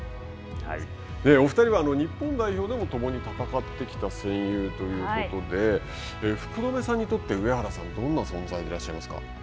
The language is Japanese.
お２人は日本代表でも共に戦ってきた戦友ということで福留さんにとって上原さんはどんな存在でいらっしゃいますか。